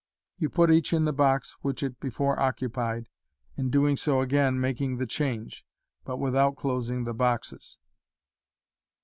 You put each in the box which it before occupied, in doing so again makiug the change, but without closing the boxes.